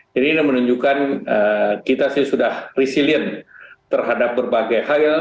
jadi ini menunjukkan kita sudah resilient terhadap berbagai hal